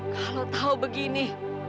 kalau tahu begini